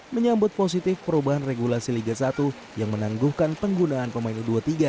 menyambut positif perubahan regulasi liga satu yang menangguhkan penggunaan pemain u dua puluh tiga